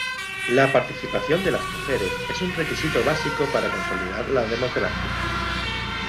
La participación de las mujeres es un requisito básico para consolidar la democracia.